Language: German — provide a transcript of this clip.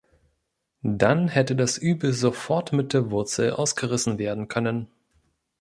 Dann hätte das Übel sofort mit der Wurzel ausgerissen werden können.